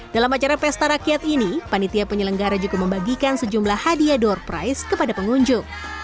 dalam acara pesta rakyat ini panitia penyelenggara juga membagikan sejumlah hadiah door price kepada pengunjung